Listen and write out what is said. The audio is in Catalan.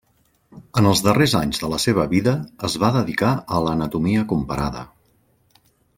En els darrers anys de la seva vida, es va dedicar a l'anatomia comparada.